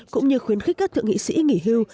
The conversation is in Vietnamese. cũng như khuyến khích các thượng nghị sĩ nghỉ hưu